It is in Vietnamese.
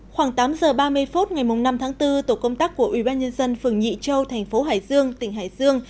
khoảng tám giờ ba mươi phút ngày năm tháng bốn tổ công tác của ubnd phường nhị châu thành phố hải dương tỉnh hải dương